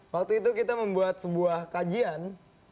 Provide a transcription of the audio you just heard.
waktu itu kita membuat sebuah kajian